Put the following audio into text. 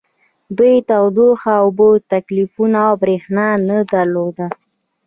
دوی تودوخه اوبه ټیلیفون او بریښنا نه درلوده